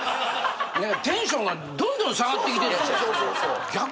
テンションがどんどん下がってきてるでしょ。